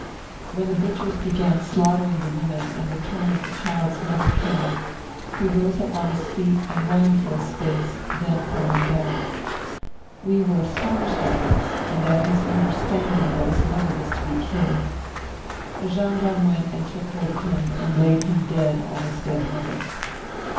When the butchers began slaughtering the women and the turn of the child's mother came, he rose up 40 Martyred Armenia on his feet and ran for a space, then falling down. We were astonished at this, and at his understand ing that his mother was to be killed. A gendarme went and took hold of him, and laid him dead on his dead mother."